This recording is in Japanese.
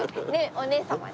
お姉様ね。